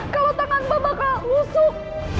kalau tangan mbak bakal busuk